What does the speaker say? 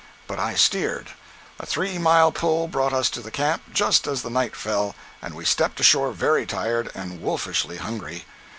But I steered. A three mile pull brought us to the camp just as the night fell, and we stepped ashore very tired and wolfishly hungry.